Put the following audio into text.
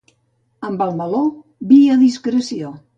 Amb el meló, vi a discreció.